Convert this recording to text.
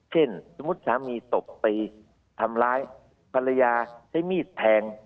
สมมุติสามีตบตีทำร้ายภรรยาใช้มีดแทง